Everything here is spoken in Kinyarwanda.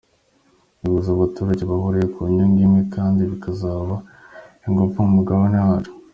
Bihuza abaturage bahuriye ku nyungu imwe kandi bikazaha ingufu umugabane wacu.